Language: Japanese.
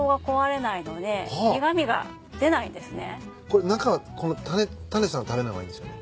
これ中この種さん食べない方がいいんですよね？